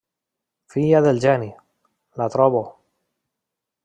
Filla del geni, la trobo!